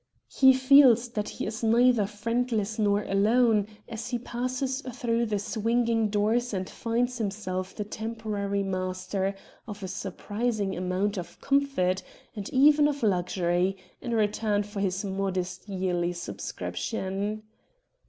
He feels that he is neither friendless nor alone as he passes through the swinging doors and finds himself the temporary master >. of a surprising amount of comfort, and even of luxury, in return for his modest yearly subscription.